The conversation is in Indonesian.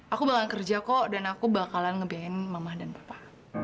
aku bakal kerja kok dan aku bakalan nge band mama dan papa